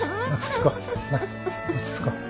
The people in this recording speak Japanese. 落ち着こう。